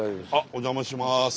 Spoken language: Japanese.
お邪魔します。